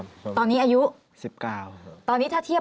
ว๑๒๑๓ใช่ไหม